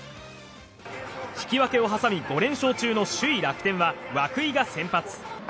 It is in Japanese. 引き分けを挟み５連勝中の首位、楽天は涌井が先発。